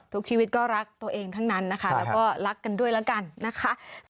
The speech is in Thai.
ทุกชีวิตก็รักตัวเองทั้งนั้นนะคะแล้วก็รักกันด้วยแล้วกันนะคะ